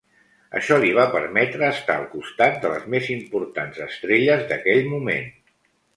Això li va permetre estar al costat de les més importants estrelles d'aquell moment.